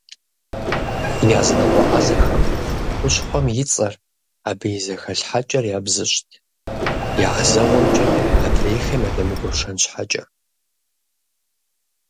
Языныкъуэ ӏэзэхэм хущхъуэм и цӏэр, абы и зэхэлъхьэкӏэр ябзыщӏт, я ӏэзэгъуэмкӏэ адрейхэм ядэмыгуэшэн щхьэкӏэ.